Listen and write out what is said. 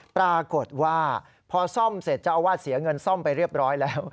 ปรากฏว่าพอซ่อมเสร็จเจ้าอาวาสเสียเงินซ่อมไปเรียบร้อยแล้ว